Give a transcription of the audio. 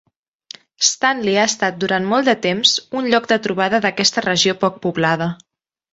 Stanley ha estat durant molt de temps un lloc de trobada d'aquesta regió poc poblada.